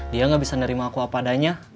dia gak bisa nerima aku apa adanya